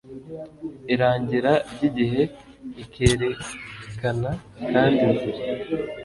irangira ry igihe ikerekana kandi inzira